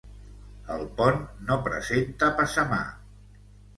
El pont no presenta passamà.